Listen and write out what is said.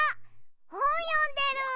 ほんよんでる。